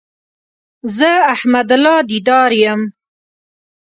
زه احمد الله ديدار يم